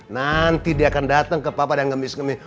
nanti dia akan datang ke papa dan ngemis ngemis